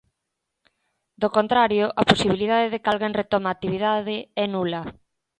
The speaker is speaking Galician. Do contrario, a posibilidade de que alguén retome a actividade é nula.